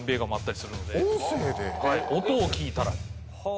はい音を聞いたら。